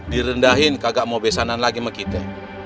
di rendahin tidak mau bebas lagi dengan kita